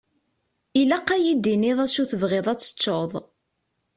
Ilaq ad yi-d-tiniḍ d acu i tebɣiḍ ad teččeḍ.